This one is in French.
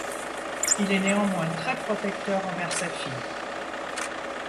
Il est néanmoins très protecteur envers sa fille.